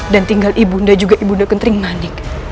dan tinggal ibu anda juga ibu anda kentering manik